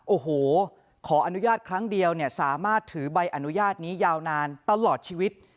โอ้โหขออนุญาตครั้งเดียวเนี่ยสามารถถือใบอนุญาตนี้ยาวนานตลอดชีวิต